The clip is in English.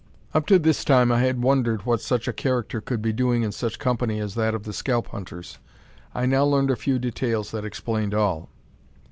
Up to this time, I had wondered what such a character could be doing in such company as that of the Scalp hunters. I now learned a few details that explained all.